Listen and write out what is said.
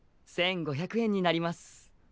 １，５００円になります。